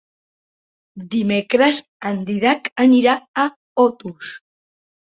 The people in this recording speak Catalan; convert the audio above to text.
Dimecres en Dídac anirà a Otos.